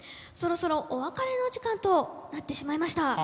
そろそろお別れの時間となってしまいました。